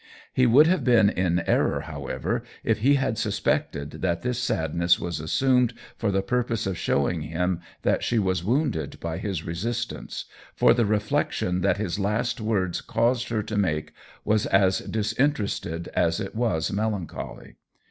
He would have been in error, however, if he had suspected that this sadness was assumed for the purpose of showing him that she was wounded by his resistance, for the re flection that his last words caused her to make was as disinterested as it was melan choly.